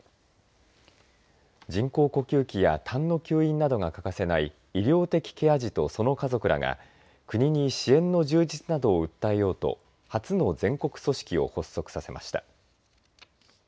人工呼吸器やたんの吸引などが欠かせない医療的ケア児とその家族らが国に支援の充実などを訴えたいと初の全国組織を発足させました。